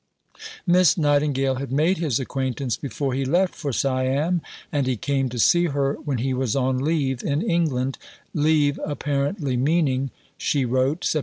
Miss Nightingale had made his acquaintance before he left for Siam; and he came to see her when he was on leave in England, "leave apparently meaning," she wrote (Sept.